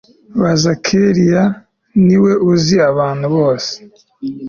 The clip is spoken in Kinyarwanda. Baza kelley niwe uzi abantu bose